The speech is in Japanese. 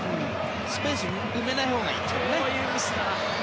スペースを埋めないほうがいいってことね。